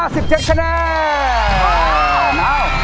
สิบเจ็ดคะแนน